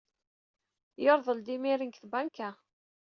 Yerḍel-d idrimen seg tbanka.